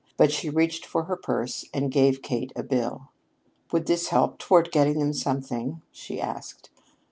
But she reached for her purse and gave Kate a bill. "Would this help toward getting them something?" she asked.